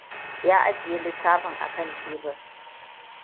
Ya ajiye littafin a kan tebur.